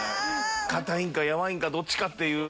硬いんか柔いんかどっちかっていう。